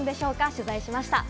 取材しました。